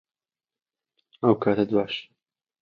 بیستوومە نیویۆرک شوێنێکی زۆر گرانە بۆ ژیان.